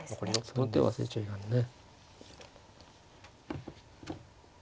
その手を忘れちゃいかんね。